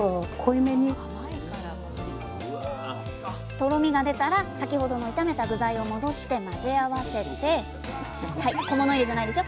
とろみが出たら先ほどの炒めた具材を戻して混ぜ合わせて小物入れじゃないですよ。